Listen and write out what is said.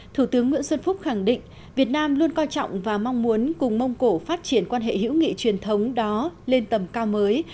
thủ tướng nguyễn xuân phúc khẳng định việt nam luôn coi trọng và mong muốn cùng mông cổ phát triển quan hệ hữu nghị truyền thống đó lên tầm cao mới